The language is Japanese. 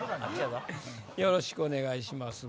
よろしくお願いします。